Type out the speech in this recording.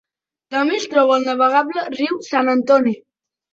També es troba al navegable riu San.